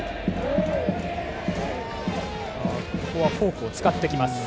ここはフォークを使ってきます。